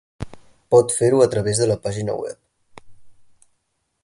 Pot fer-ho a través de la pàgina web.